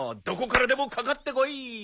どこからでもかかってこい！